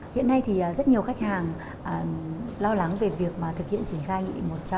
hiện nay thì rất nhiều khách hàng lo lắng về việc mà thực hiện triển khai nghị định một trăm linh